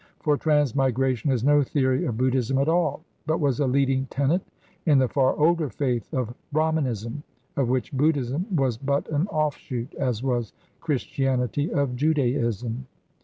For transmigration is no theory of Buddhism at all, but was a leading tenet in the far older faith of Brahmanism, of which Buddhism was but an offshoot, as was Christianity of Judaism.